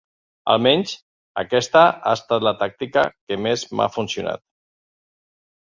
Almenys aquesta ha estat la tàctica que més m'ha funcionat.